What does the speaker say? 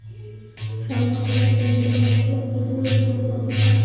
সংগঠনের কেন্দ্রীয় কর্মসূচির অংশ হিসেবে এ মানববন্ধন করা হয়।